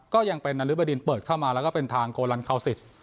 ก็ยังเป็นนริบดินเปิดเข้ามาแล้วก็เป็นทางโคลันคาวซิส